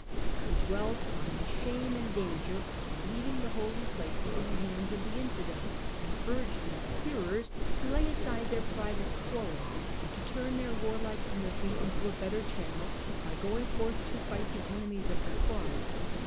He dwelt on the shame and \{^^^ danger of leaving the holy places in tlie hands of the infidel, and urged his hearers to lay aside their private quarrels and to turn their warlike energy into a better channel by going forth to fight the enemies of the Cross.